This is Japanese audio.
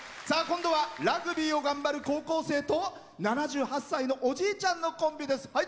さあ今度はラグビーを頑張る高校生と７８歳のおじいちゃんのコンビです。